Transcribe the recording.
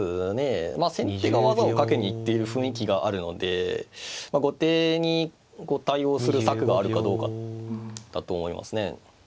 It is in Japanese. まあ先手が技をかけに行っている雰囲気があるので後手に対応する策があるかどうかだと思いますね。